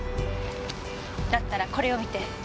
だったらこれを見て。